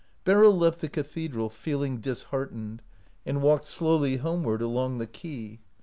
Beryl left the cathedral feeling disheart ened, and walked slowly homeward along the quay.